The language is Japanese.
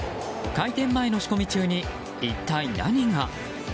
開店前の仕込み中に一体何が？